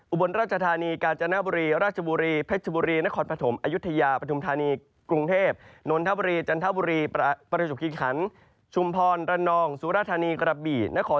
อุบวัณราชธานีอุบวัณราชธานี